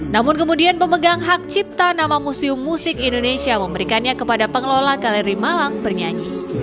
namun kemudian pemegang hak cipta nama museum musik indonesia memberikannya kepada pengelola galeri malang bernyanyi